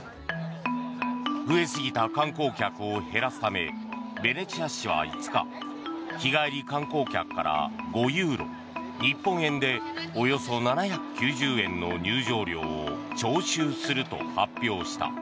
増えすぎた観光客を減らすためベネチア市は５日日帰り観光客から５ユーロ日本円でおよそ７９０円の入場料を徴収すると発表した。